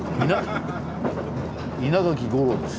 稲垣吾郎です。